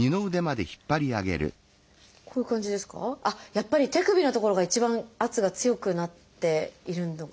やっぱり手首の所が一番圧が強くなっているのかしら。